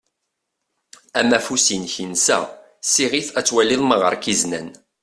Amafus-inek insa. Siɣ-it ad twaliḍ ma ɣer-k izenan.